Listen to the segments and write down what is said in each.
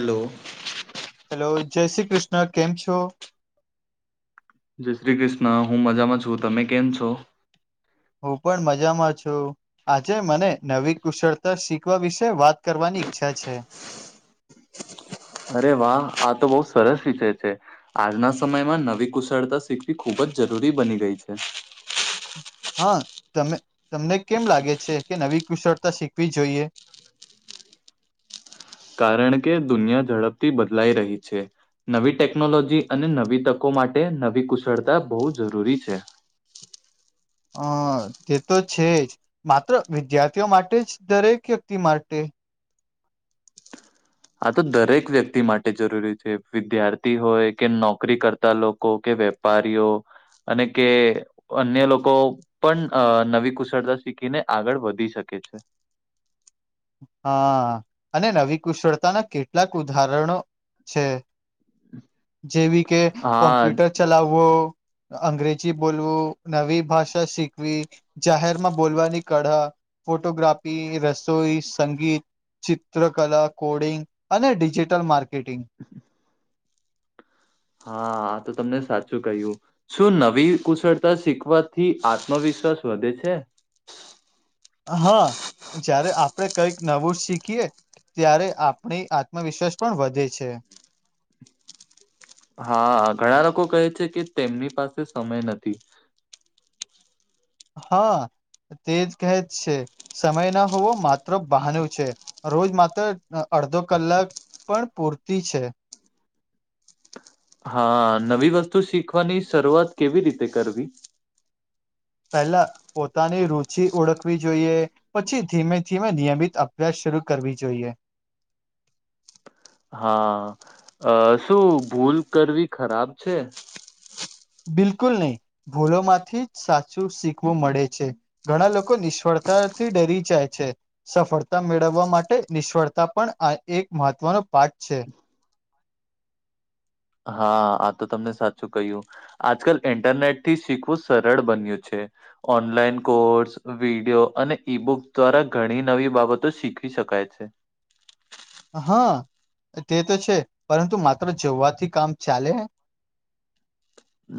Hello hello જય શ્રી કૃષ્ણ કેમ છો? જય શ્રી કૃષ્ણ હું મજામાં છું તમે કેમ છો? હું પણ મજામાં છું. આજે મને નવી કુશળતા શીખવા વિશે વાત કરવાની ઈચ્છા છે. અરે વાહ આ તો બહુ સરસ વિષય છે. આજના સમયમાં નવી કુશળતા શીખવી ખૂબ જ જરૂરી બની ગઈ છે. હા તમ તમને કેમ લાગે છે કે નવી કુશળતા શીખવી જોઈએ કારણ કે દુનિયા ઝડપથી બદલાઈ રહી છે. નવી ટેકનોલોજી અને નવી તકો માટે નવી કુશળતા બહુ જરૂરી છે. હ તે તો છે જ માત્ર વિદ્યાર્થીઓ માટે જ દરેક વ્યક્તિ માટે આ તો દરેક વ્યક્તિ માટે જરૂરી છે વિદ્યાર્થી હોય કે નોકરી કરતા લોકો કે વે પારીઓ અને કે અન્ય લોકો પણ અ નવી કુશળતા શીખીને આગળ વધી શકે છે. હા અને નવી કુશળતાના કેટલાક ઉદાહરણો છે. જેવી કે હા કોમ્પ્યુટર ચલાવવો અંગ્રેજી બોલવું નવી ભાષા શીખવી જાહેરમાં બોલવાની કળા ફોટોગ્રાફી રસોઈ સંગીત, ચિત્રકલા, કોડિંગ અને ડિજિટલ માર્કેટિંગ હા આ તો તમને સાચું કહ્યું શું નવી કુશળતા શીખવાથી આત્મવિશ્વાસ વધે છે. હા જયારે આપડે કઈક નવું શીખીએ ત્યારે આપણી આત્મવિશ્વાસ પણ વધે છે. હા ઘણા લોકો કહે છે કે તેમની પાસે સમય નથી હા તેજ કહે જ છે. સમય ના હોવો માત્ર બહાનું છે રોજ માત્ર અ અડધો કલાક પણ પૂરતી છે. હા નવી વસ્તુ શીખવાની શરૂઆત કેવી રીતે કરવી પહેલા પોતાની રુચિ ઓળખવી જોઈએ પછી ધીમે ધીમે નિયમિત અભ્યાસ શરૂ કરવી જોઈએ હા અ શું ભૂલ કરવી ખરાબ છે. બિલકુલ નહી ભૂલો માંથી જ સાચું શીખવું મળે છે. ઘણા લોકો નિષ્ફળતાથી ડરી જાય છે. સફળતા મેળવવા માટે નિષ્ફળતા પણ આ એક મહત્વનો પાઠ છે. હા આ તો તમને સાચું કહ્યું આજકાલ ઇન્ટરનેટ થી શીખવું સરળ બન્યું છે. ઓનલાઈન કોર્સ વિડીયો અને ઈ બુક દ્વારા ઘણી નવી બાબતો શીખવી શકાય છે. હા તે તો છે પરંતુ માત્ર જોવાથી કામ ચાલે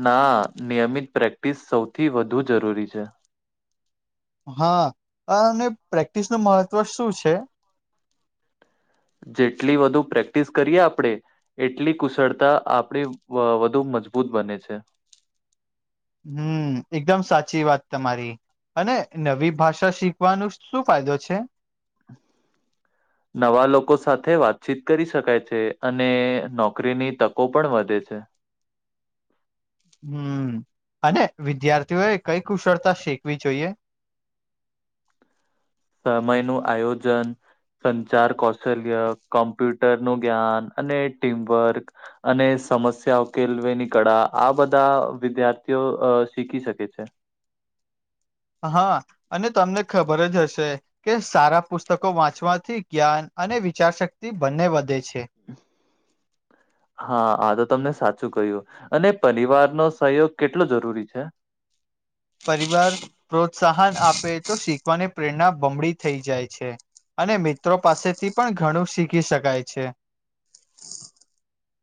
ના નિયમિત પ્રેક્ટિસ સૌથી વધુ જરૂરી છે. હા અને પ્રેક્ટિસ નું મહત્વ શું છે. જેટલી વધુ પ્રેક્ટિસ કરીએ આપડે એટલી કુશળતા આપણી વા વધુ મજબૂત બને છે. હમ્મ એકદમ સાચી વાત તમારી. અને નવી ભાષા શીખવાનું શું ફાયદો છે? નવા લોકો સાથે વાતચીત કરી શકાય છે અને નોકરીની તકો પણ વધે છે. હમ્મ અને વિદ્યાર્થીઓએ કઈ કુશળતા શીખવી જોઈએ સમય નું આયોજન સંચાર કૌશલ્ય કોમ્પ્યુટર નું જ્ઞાન અને ટીમવર્ક અને સમસ્યા ઉકેલવે ની કળા આ બધા વિદ્યાર્થીઓ અ શીખી શકે છે. હા અને તમને ખબર જ હશે. કે સારા પુસ્તકો વાંચવાથી જ્ઞાન અને વિચાર શક્તિ બંને વધે છે. [inaudible] હા આ તો તમને સાચું કહ્યું અને પરિવાર નો સહયોગ કેટલો જરૂરી છે. પરિવાર પ્રોત્સાહન આપે તો શીખવાની પ્રેરણા બમડી થઈ જાય છે. અને મિત્રો પાસેથી પણ ઘણું શીખી શકાય છે.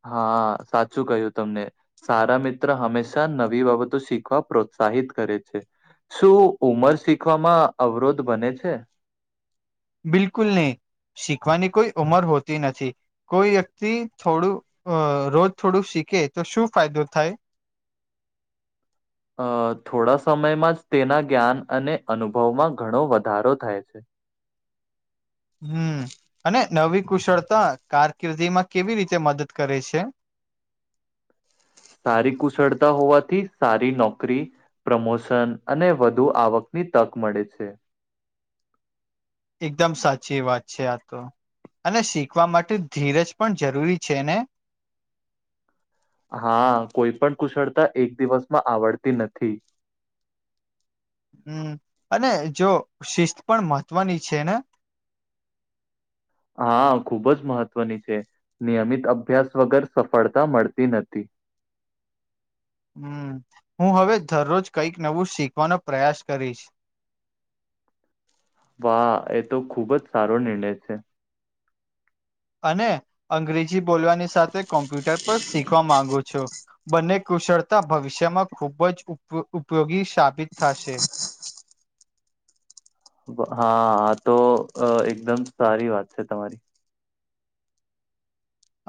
હા સાચું કહ્યું તમને. સારા મિત્ર હંમેશા નવી બાબતો શીખવા પ્રોત્સાહિત કરે છે. શું ઉમર શીખવામાં અવરોધ બને છે. બિલકુલ નહી શીખવાની કોઈ ઉમર હોતી નથી. કોઈ વ્યક્તિ થોડું અ રોજ થોડું શીખે તો શું ફાયદો થાય. અ થોડા સમયમાં જ તેના જ્ઞાન અને અનુભવમાં ઘણો વધારો થાય હમ્મ અને નવી કુશળતા કારકિર્દી માં કેવી રીતે મદદ કરે છે. સારી કુશળતા હોવાથી સારી નોકરી પ્રમોશન અને વધુ આવકની તક મળે છે. એકદમ સાચી વાત છે આ તો અને શીખવા માટે ધીરજ પણ જરૂરી છે ને. હા કોઈ પણ કુશળતા એક દિવસમાં આવડતી નથી. હમ્મ અને જો શિસ્ત પણ મહત્વની છે ને. હા ખુબ જ મહત્વની છે નિયમિત અભ્યાસ વગર સફળતા મળતી નથી. હમ્મ હું હવે દરરોજ કઈક નવું શીખવાનો પ્રયાસ કરીશ. વાહ એ તો ખુબ જ સારો નિર્ણય છે. અને અંગ્રેજી બોલવાની સાથે કોમ્પ્યુટર પર શીખવા માંગો છો. બંને કુશળતા ભવિષ્યમાં ખૂબ જ ઉપ ઉપયોગી સાબિત થશે. હા હા આ તો એકદમ સારી વાત છે તમારી.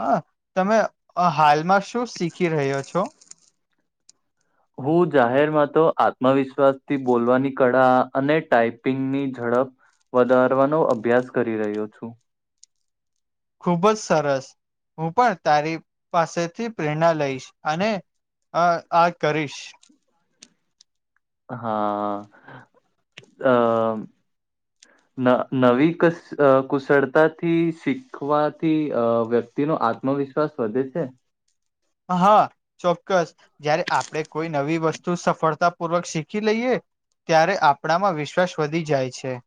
હા તમે હાલમાં શું શીખી રહ્યો છો. હું જાહેરમાં તો આત્મવિશ્વાસ થી બોલવાની કળા અને ટાઈપિંગની ઝડપ વધારવાનો અભ્યાસ કરી રહ્યો છું. ખુબ જ સરસ હું પણ તારી પાસેથી પ્રેરણા લઈશ અને હા આ કરીશ હા આ ના નવી કસ કુશળતાથી શી શીખવાથી આ વ્યક્તિ નો આત્મવિશ્વાસ વધે છે. આ હા ચોક્કસ જયારે આપડે કોઈ નવી વસ્તુ સફળતાપૂર્વક શીખી લઈએ ત્યારે આપણામાં વિશ્વાસ વધી જાય છે.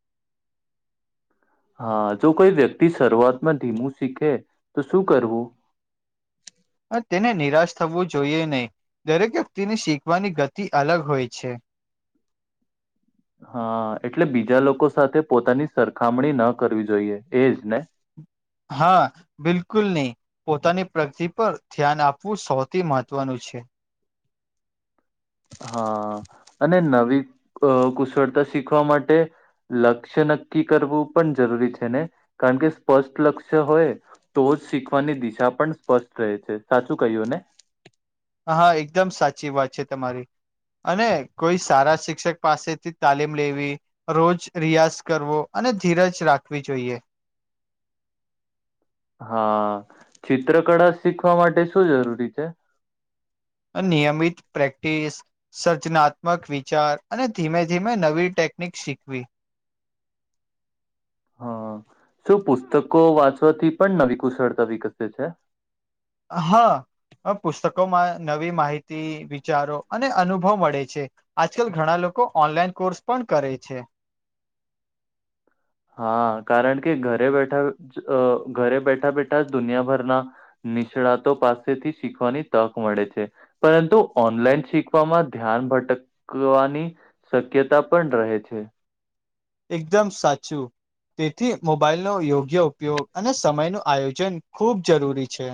હા જો કોઈ વ્યક્તિ શરૂઆતમાં ધીમું શીખે તો શું કરવું. આ તેને નિરાશ થવું જોઈએ નહીં દરેક વ્યક્તિને શીખવાની ગતિ અલગ હોય છે. હા એટલે બીજા લોકો સાથે પોતાની સરખામણી ન કરવી જોઈએ એજ ને. હા બિલકુલ નહી. પોતાની પ્રગતિ પર ધ્યાન આપવું સૌથી મહત્વનું છે. હા અને નવી ક કુશળતા શીખવા માટે. લક્ષ્ય નક્કી કરવું પણ જરૂરી છે ને કારણ કે સ્પષ્ટ લક્ષ્ય હોય તો જ શીખવાની દિશા પણ સ્પષ્ટ રહે છે સાચું કહ્યું ને. આ હા એકદમ સાચી વાત છે તમારી. અને કોઈ સારા શિક્ષક પાસેથી તાલીમ લેવી રોજ રિયાઝ કરવો અને ધીરજ રાખવી જોઈએ. હા ચિત્રકળા શીખવા માટે શું જરૂરી છે. આ નિયમિત પ્રેક્ટિસ સર્જનાત્મક વિચાર અને ધીમે ધીમે નવી ટેકનિક શીખવી. હા શું પુસ્તકો વાંચવાથી પણ નવી કુશળતા વિકસે છે. હા. હા પુસ્તકોમાં નવી માહિતી વિચારો અને અનુભવ મળે છે. આજકાલ ઘણા લોકો ઓનલાઈન કોર્સ પણ કરે છે. હા કારણ કે ઘરે બેઠા અ ઘરે બેઠા બેઠા જ દુનિયાભરના નિષ્ણાતો પાસેથી શીખવાની તક મળે છે. પરંતુ ઓનલાઈન શીખવામાં ધ્યાન ભટકવાની શક્યતા પણ રહે છે. એકદમ સાચું તેથી મોબાઈલનો યોગ્ય ઉપયોગ અને સમય નો આયોજન ખૂબ જરૂરી છે.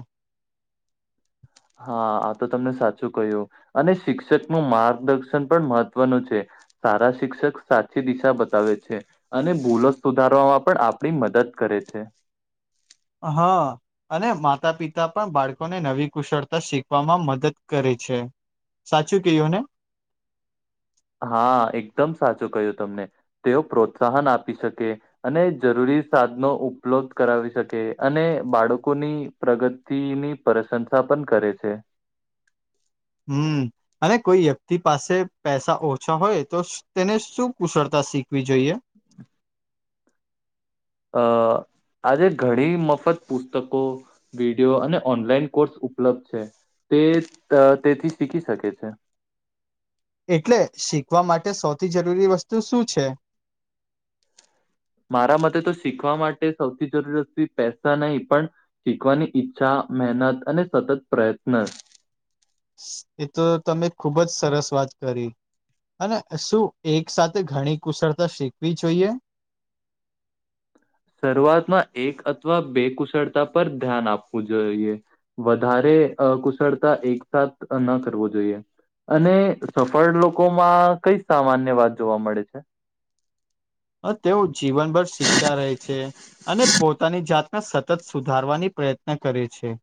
હા આ તો તમને સાચું કહ્યું અને શિક્ષકનું માર્ગદર્શન પણ મહત્વનું છે. સારા શિક્ષક સાચી દિશા બતાવે છે. અને ભૂલો સુધારવામાં પણ આપણી મદદ કરે છે. હા. અને માતા પિતા પણ બાળકોને નવી કુશળતા શીખવામાં મદદ કરે છે. સાચું કહ્યું ને? હા એકદમ સાચું ક્યું તમને તેઓ પ્રોત્સાહન આપી શકે અને જરૂરી સાધનો ઉપલબ્ધ કરાવી શકે અને બાળકોની પ્રગતિની પ્રશંસા પણ કરે છે. હમ્મ. અને કોઈ વ્યક્તિ પાસે પૈસા ઓછા હોય તો તેને શું કુશળતા શીખવી જોઈએ? અ આજે ઘણી મફત પુસ્તકો વિડીયો અને ઓનલાઈન કોર્સ ઉપલબ્ધ છે તે તેથી શીખી શકે છે. એટલે શીખવા માટે સૌથી જરૂરી વસ્તુ શું છે? મારા મતે તો શીખવા માટે સૌથી જરૂર પૈસા નહી પણ શીખવાની ઈચ્છા મહેનત અને સતત પ્રયત્ન એ તો તમે ખુબ જ સરસ વાત કરી. અને શું એક સાથે ઘણી કુશળતા શીખવી જોઈએ? શરૂઆતમાં એક અથવા બે કુશળતા પર ધ્યાન આપવું જોઈએ. વધારે કુશળતા એકસાથ ન કરવો જોઈએ. અને સફળ લોકો માં કઈ સામાન્ય વાત જોવા મળે છે? તેઓ જીવનભર શીખતા રહે છે અને પોતાની જાત સતત સુધારવાની પ્રયત્ન કરે છે.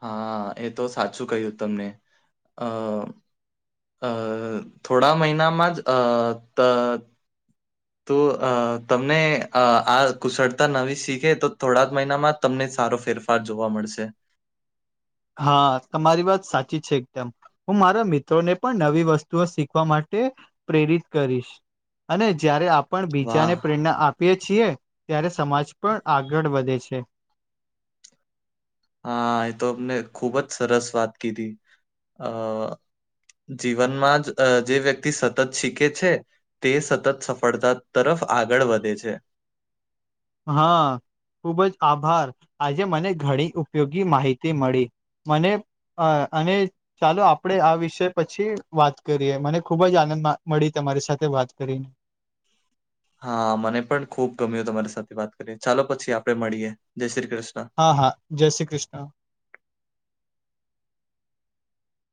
હા એ તો સાચું કહ્યું તમે અ અ થોડા મહિનામાં જ અ ત તો તમને આ કુશળતા નવી શીખે તો થોડા જ મહિનામાં તમને સારો ફેરફાર જોવા મળશે. હા તમારી વાત સાચી છે એકદમ હું મારા મિત્રોને પણ નવી વસ્તુઓ શીખવા માટે પ્રેરિત કરીશ. અને જયારે આપ પણ વાહ બીજાને પ્રેરણા આપીએ છીએ ત્યારે સમાજ પણ આગળ વધે છે. હા એ તો અમને ખુબ જ સરસ વાત કીધી અ જીવનમાં જે વ્યક્તિ સતત શીખે છે. તે સતત સફળતા તરફ આગળ વધે છે. હા ખુબ જ આભાર આજે મને ઘણી ઉપયોગી માહિતી મળી. મને અ અને ચાલો આપડે આ વિષય પછી વાત કરીએ મને ખુબ જ આનંદ મળી તમારી સાથે વાત કરીને. હા મને પણ ખુબ ગમ્યું તમારી સાથે વાત કરીએ ચાલો પછી આપડે મળીએ જય શ્રી કૃષ્ણ. હા હા જય શ્રી કૃષ્ણ